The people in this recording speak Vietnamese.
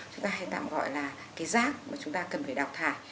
chúng ta hay tạm gọi là giác mà chúng ta cần phải đào thải